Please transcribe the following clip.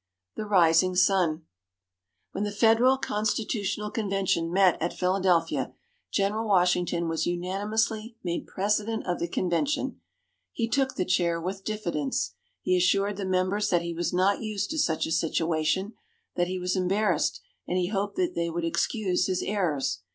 THE RISING SUN When the Federal Constitutional Convention met at Philadelphia, General Washington was unanimously made President of the Convention. He took the chair with diffidence. He assured the members that he was not used to such a situation, that he was embarrassed, and he hoped they would excuse his errors.